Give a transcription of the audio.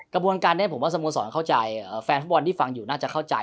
กระบวนการนี้ผมว่าสโมสรเข้าใจแฟนฟุตบอลที่ฟังอยู่น่าจะเข้าใจ